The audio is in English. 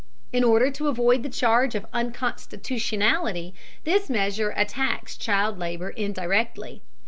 In order to avoid the charge of unconstitutionality, this measure attacks child labor indirectly.